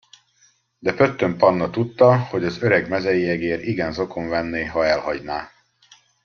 De Pöttöm Panna tudta, hogy az öreg mezeiegér igen zokon venné, ha elhagyná.